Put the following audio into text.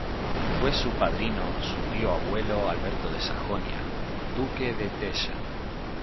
Fue su padrino su tío abuelo Alberto de Sajonia, duque de Teschen.